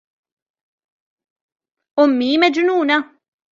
أمي مجنونة